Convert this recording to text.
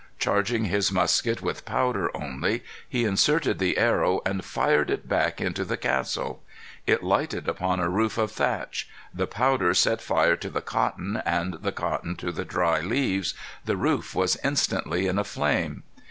Charging his musket with powder only, he inserted the arrow and fired it back into the castle. It lighted upon a roof of thatch. The powder set fire to the cotton, and the cotton to the dry leaves. The roof was instantly in a flame.